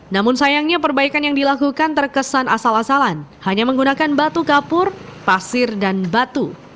namun sayangnya perbaikan yang dilakukan terkesan asal asalan hanya menggunakan batu kapur pasir dan batu